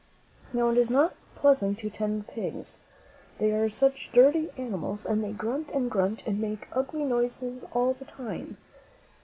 Now, it is not pleasant to tend pigs. They are such dirty animals, and they grunt and grunt and make ugly noises all the time.